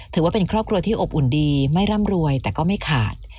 ถือว่าเป็นครอบครัวที่อบอุ่นดีไม่ร่ำรวยแต่ก็ไม่ขาด